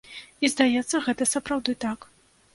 І, здаецца, гэта сапраўды так.